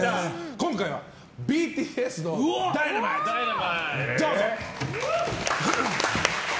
今回はＢＴＳの「Ｄｙｎａｍｉｔｅ」。